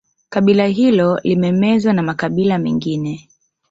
Kabila hilo limemezwa na makabila mengine